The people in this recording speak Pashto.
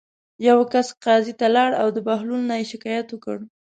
یوه کس قاضي ته لاړ او د بهلول نه یې شکایت وکړ.